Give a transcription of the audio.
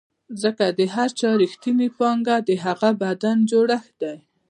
ځکه د هر چا رښتینې پانګه د هغه بدن جوړښت دی.